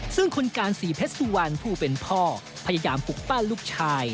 ซึ่งคุณการศรีเพชรสุวรรณผู้เป็นพ่อพยายามปลุกปั้นลูกชาย